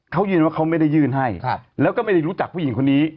เขายืนว่าเขาไม่ได้ยื่นให้แล้วก็ไม่ได้รู้จักผู้หญิงคนนี้